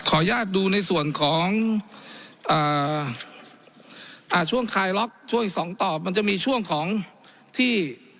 อนุญาตดูในส่วนของช่วงคลายล็อกช่วงอีกสองตอบมันจะมีช่วงของที่